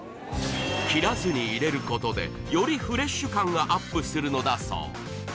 切らずに入れることでよりフレッシュ感がアップするのだそう